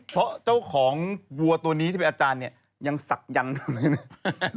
เพราะเจ้าของวัวตัวนี้ที่เป็นอาจารย์เนี่ยยังศักยันต์อยู่เลยนะ